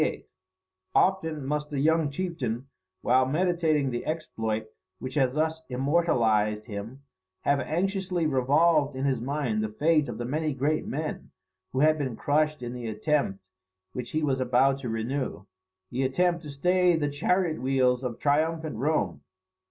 88.] Often must the young chieftain, while meditating the exploit which has thus immortalised him, have anxiously revolved in his mind the fate of the many great men who had been crushed in the attempt which he was about to renew, the attempt to stay the chariot wheels of triumphant Rome.